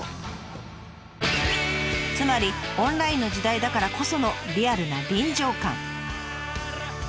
つまりオンラインの時代だからこそのリアルな臨場感。